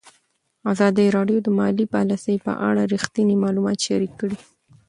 ازادي راډیو د مالي پالیسي په اړه رښتیني معلومات شریک کړي.